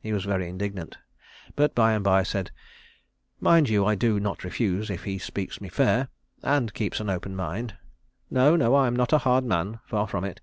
He was very indignant; but by and by he said, "Mind you, I do not refuse if he speaks me fair, and keeps an open mind. No, no. I am not a hard man, far from it.